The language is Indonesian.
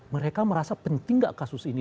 mereka merasa penting gak kasus ini